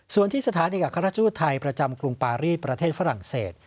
ส่วนที่สถานเอกอัครราชทูตไทยประจำกรุงปารีสประเทศฝรั่งเศส